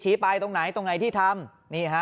ชี้ไปตรงไหนตรงไหนที่ทำ